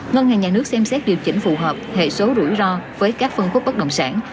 ngân hàng nhà nước xem xét điều chỉnh phù hợp hệ số rủi ro với các phân khúc bất động sản